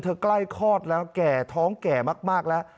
เธอกล้ายคลอดแล้วท้องแก่มากแล้ว